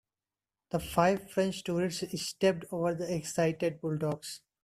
The five French tourists stepped over the excited bulldogs.